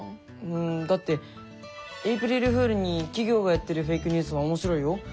うんだってエイプリルフールに企業がやってるフェイクニュースも面白いよ。